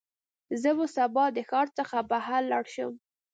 زه به سبا د ښار څخه بهر لاړ شم.